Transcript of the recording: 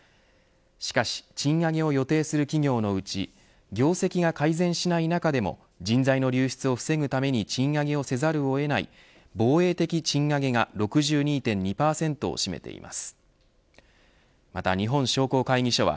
しかし賃上げを予定する企業のうち業績が改善しない中でも人材の流出を防ぐために賃上げをせざるを得ない防衛的賃上げが６２．２％を占めています。